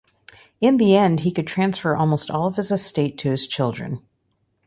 In the end he could transfer almost all of his estate to his children.